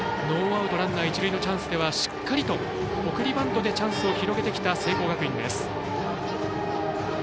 ノーアウトランナー、一塁のチャンスではしっかりと送りバントでチャンスを広げてきた聖光学院。